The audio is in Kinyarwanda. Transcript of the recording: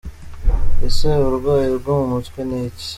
Ese uburwayi bwo mu mutwe ni iki?.